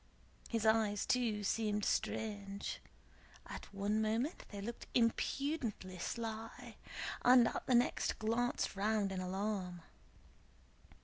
His eyes too seemed strange; at one moment they looked impudently sly and at the next glanced round in alarm.